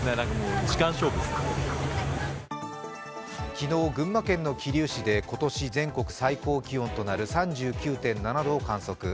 昨日、群馬県の桐生市で今年全国の最高気温となる３９．７度を観測。